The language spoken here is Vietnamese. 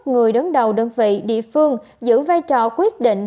người đứng đầu đơn vị địa phương giữ vai trò quyết định